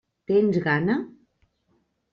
Tens gana?